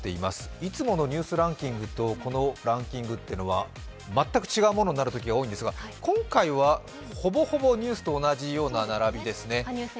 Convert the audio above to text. いつものニュースランキングとこのランキングっていうのは全く違うものになることが多いんですが今回はほぼほぼ、ニュースと同じような並びですね。